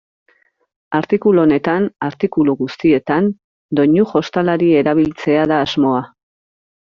Artikulu honetan, artikulu guztietan, doinu jostalari erabiltzea da asmoa.